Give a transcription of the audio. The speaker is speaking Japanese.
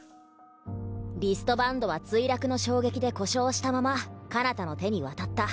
リストバンドは墜落の衝撃で故障したままかなたの手に渡った。